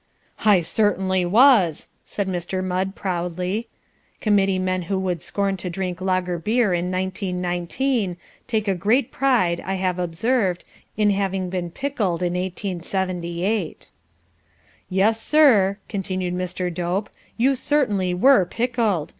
"I certainly was!" said Mr. Mudd proudly. Committee men who would scorn to drink lager beer in 1919, take a great pride, I have observed, in having been pickled in 1878. "Yes, sir," continued Mr. Dope, "you certainly were pickled.